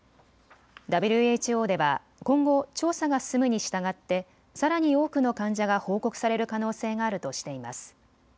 ＷＨＯでは今後、調査が進むにしたがってさらに多くの患者が報告される可能性があるとしています。